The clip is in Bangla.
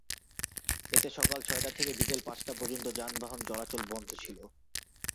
এতে সকাল ছয়টা থেকে বিকেল পাঁচটা পর্যন্ত যানবাহন চলাচল বন্ধ ছিল।